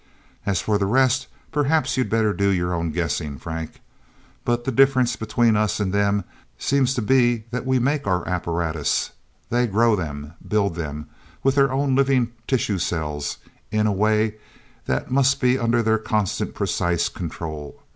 As for the rest, perhaps you'd better do your own guessing, Frank. But the difference between us and them seems to be that we make our apparatus. They grow them, build them with their own living tissue cells in a way that must be under their constant, precise control.